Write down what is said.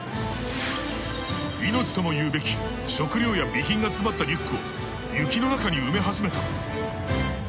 命ともいうべき食料や備品が詰まったリュックを雪の中に埋め始めた。